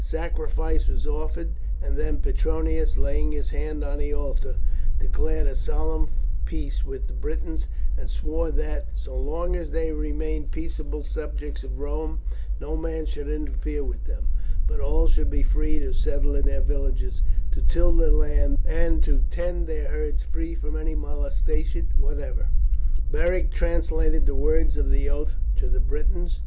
Sacrifice was offered, and then Petronius, laying his hand on the altar, declared a solemn peace with the Britons, and swore that, so long as they remained peaceable subjects of Rome, no man should interfere with them, but all should be free to settle in their villages, to till their land, and to tend their herds free from any molestation whatever. Beric translated the words of the oath to the Britons.